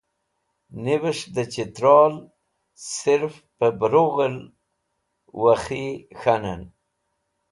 Nevẽs̃h dẽ chital sirf pẽ Brughil Wuk̃hi/ Wakhi k̃hanẽn.